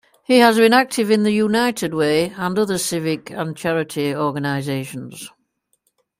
He has been active in the United Way and other civic and charity organizations.